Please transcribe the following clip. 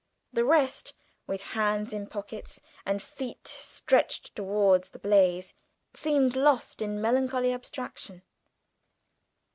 The rest, with hands in pockets and feet stretched towards the blaze, seemed lost in melancholy abstraction.